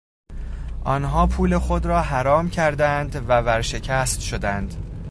آنها پول خود را حرام کردند و ورشکست شدند.